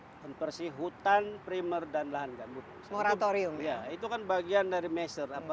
hai dan bersih hutan primer dan lahan gambut moratorium ya itu kan bagian dari measure apa